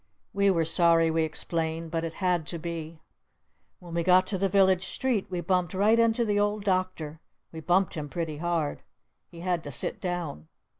We were sorry, we explained! But it had to be! When we got to the village street we bumped right into the Old Doctor. We bumped him pretty hard! He had to sit down!